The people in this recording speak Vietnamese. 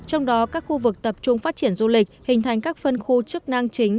trong đó các khu vực tập trung phát triển du lịch hình thành các phân khu chức năng chính